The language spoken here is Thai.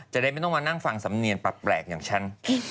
จะได้ไม่ต้องมานั่งฟังสำเนียนแปลกอย่างฉัน